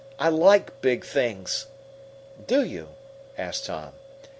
I like big things." "Do you?" asked Tom.